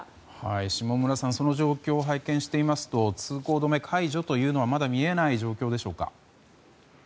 下村さん、その状況を拝見していますと通行止め解除というのはまだ見えない状況でしょうか？